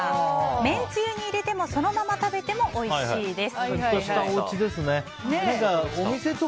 めんつゆに入れてもそのまま食べてもおいしいです。